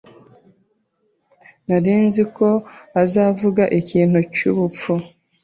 Nari nzi ko azavuga ikintu cyubupfu.